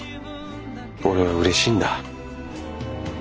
俺はうれしいんだ。